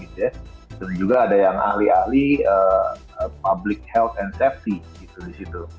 dan juga ada yang ahli ahli public health and safety